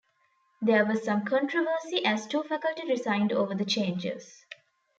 There was some controversy as two faculty resigned over the changes.